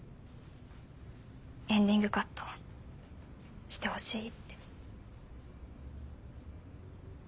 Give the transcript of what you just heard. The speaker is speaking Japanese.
エンディングカットしてほしいって。